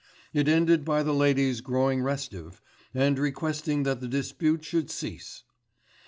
It ended by the ladies growing restive, and requesting that the dispute should cease....